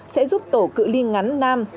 sẽ giúp tổ cự liên ngắn nam